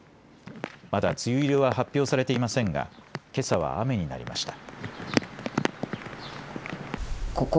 まだ梅雨入りは発表されていませんがけさは雨になりました。